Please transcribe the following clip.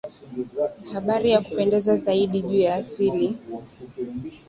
habari ya kupendeza zaidi juu ya asili